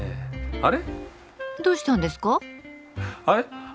あれ？